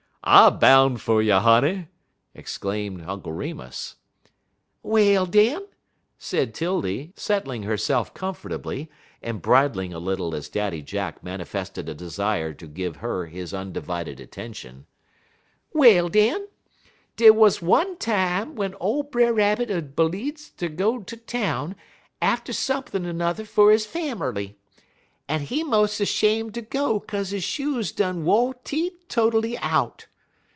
"I boun' fer you, honey!" exclaimed Uncle Remus. "Well, den," said 'Tildy, settling herself comfortably, and bridling a little as Daddy Jack manifested a desire to give her his undivided attention, "well, den, dey wuz one time w'en ole Brer Rabbit 'uz bleedz ter go ter town atter sump'n' 'n'er fer his famerly, en he mos' 'shame' ter go 'kaze his shoes done wo' tetotally out.